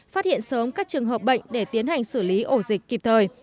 phát hiện sớm các trường hợp bệnh để tiến hành xử lý ổ dịch kịp thời